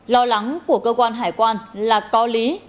lo lắng của cơ quan hải quan là có lý